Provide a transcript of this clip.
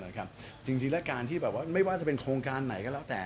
ตัวจริงที่แล้วการที่ไม่ว่าจะเป็นโครงการไหนก็แล้วแต่